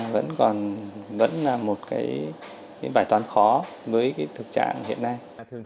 vẫn còn vẫn là một cái bài toán khó với cái thực trạng hiện nay